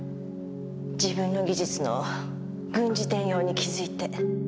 自分の技術の軍事転用に気づいて。